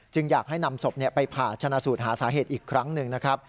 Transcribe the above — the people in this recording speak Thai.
อยากให้นำศพไปผ่าชนะสูตรหาสาเหตุอีกครั้งหนึ่งนะครับ